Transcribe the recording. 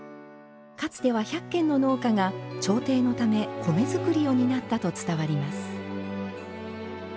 かつては１００軒の農家が朝廷のため、米作りを担ったと伝わります。